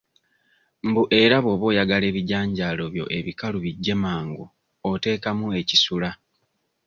Mbu era bw'oba oyagala ebijanjaalo byo ebikalu bijje mangu oteekamu ekisula.